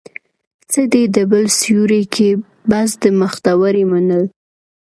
څه دي د بل سيوري کې، بس د مختورۍ منل